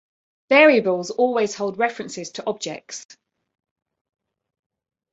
Variables always hold references to objects.